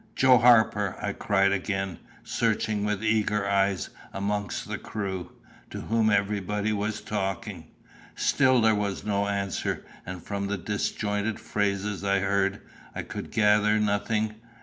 "Joe Harper!" I cried again, searching with eager eyes amongst the crew, to whom everybody was talking. Still there was no answer; and from the disjointed phrases I heard, I could gather nothing.